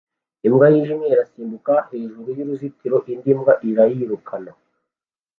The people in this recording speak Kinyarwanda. Imbwa yijimye irasimbuka hejuru y'uruzitiro indi mbwa irayirukana